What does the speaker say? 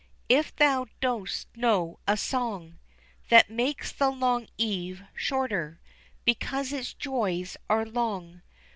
If thou dost know a song That makes the long eve shorter Because its joys are long.